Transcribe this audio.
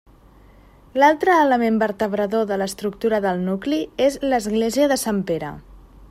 L'altre element vertebrador de l'estructura del nucli és l'església de Sant Pere.